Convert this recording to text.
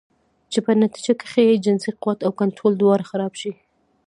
چې پۀ نتيجه کښې ئې جنسي قوت او کنټرول دواړه خراب شي